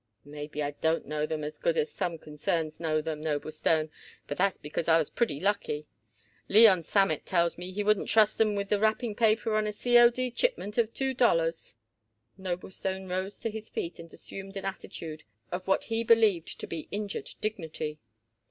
"Maybe I don't know 'em as good as some concerns know 'em, Noblestone, but that's because I was pretty lucky. Leon Sammet tells me he wouldn't trust 'em with the wrapping paper on a C. O. D. shipment of two dollars." Noblestone rose to his feet and assumed an attitude of what he believed to be injured dignity.